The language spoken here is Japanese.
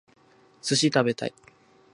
寿司食べたい